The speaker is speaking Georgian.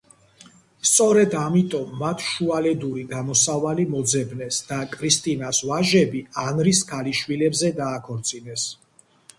სწორედ ამიტომ, მათ შუალედური გამოსავალი მოძებნეს და კრისტინას ვაჟები ანრის ქალიშვილებზე დააქორწინეს.